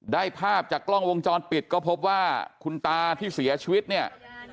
ภาพจากกล้องวงจรปิดก็พบว่าคุณตาที่เสียชีวิตเนี่ย